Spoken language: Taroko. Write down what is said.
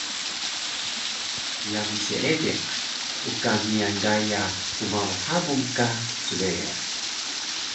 Yami Seediq uka miyan gaya kmaro habung ka cbeyo